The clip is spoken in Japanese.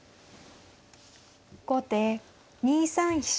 後手２三飛車。